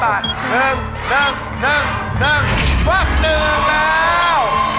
ว้าวหนึ่งแล้ว